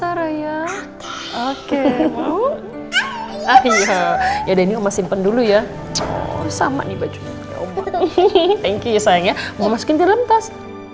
sama saraya oke mau akhirnya dan masin pendulu ya sama nih bajunya ini saya masukin dalam tas